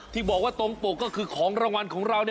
ที่บอกว่าตรงปกก็คือของรางวัลของเรา